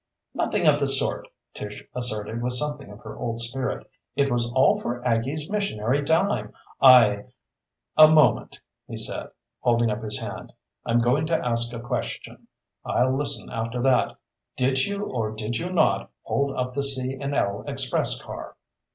"Nothing of the sort," Tish asserted with something of her old spirit. "It was all for Aggie's missionary dime. I " "A moment," he said, holding up his hand. "I'm going to ask a question. I'll listen after that. _Did you or did you not hold up the C. & L. express car?